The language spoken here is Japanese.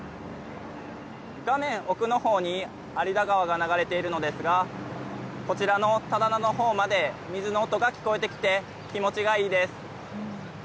画面、奥の方に有田川が流れているのですがこちらの棚田の方まで水の音が聞こえてきて気持ちがいいです。